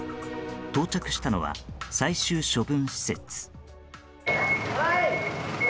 到着したのは最終処分施設。